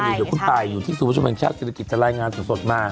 เดี๋ยวคุณตายอยู่ที่ศูนย์ประชุมแห่งชาติศิริกิจจะรายงานสดมา